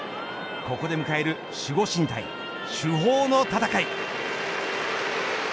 ここで迎える守護神対主砲の戦い。